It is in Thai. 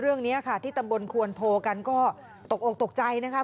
เรื่องนี้ค่ะที่ตำบลควนโพกันก็ตกอกตกใจนะคะ